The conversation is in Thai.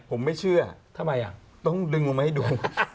ผมไม่เชื่อทำไมต้องดึงลงมาให้ดู